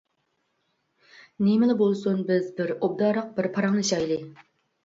نېمىلا بولسۇن بىز بىر ئوبدانراق بىر پاراڭلىشايلى.